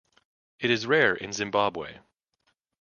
It is rare in Zimbabwe.